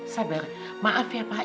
sabar maaf ya pak